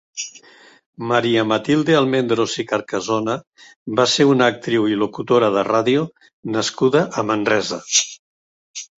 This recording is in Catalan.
Maria Matilde Almendros i Carcasona va ser una actriu i locutora de ràdio nascuda a Manresa.